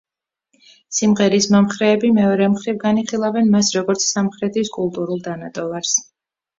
სიმღერის მომხრეები, მეორე მხრივ, განიხილავენ მას, როგორც სამხრეთის კულტურულ დანატოვარს.